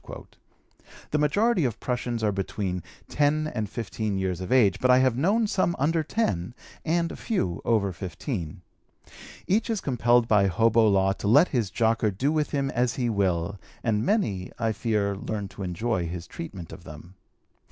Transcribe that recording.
The majority of prushuns are between 10 and 15 years of age, but I have known some under 10 and a few over 15. Each is compelled by hobo law to let his jocker do with him as he will, and many, I fear, learn to enjoy his treatment of them.